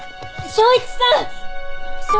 昇一さん！